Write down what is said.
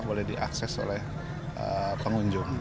boleh diakses oleh pengunjung